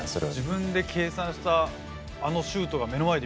自分で計算したあのシュートが目の前で見れる。